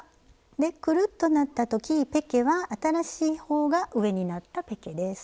でくるっとなった時ペケは新しい方が上になったペケです。